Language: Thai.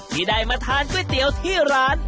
ที่ได้มาทานก๋วยเตี๋ยวที่ร้าน